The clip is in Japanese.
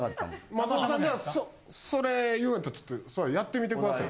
松本さんじゃあそれ言うんやったらちょっとやってみてください。